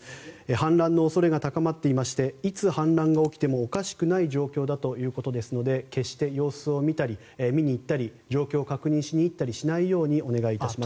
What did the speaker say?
氾濫の恐れが高まっていましていつ氾濫が起きてもおかしくない状況だということですので決して様子を見に行ったり状況を確認しに行ったりしないようにお願いいたします。